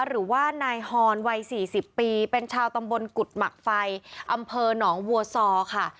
หรือว่านายฮอนวัย๔๐ปีเป็นชาวตำบลกุฎหมักไฟอำเภอหนองวัวซอค่ะ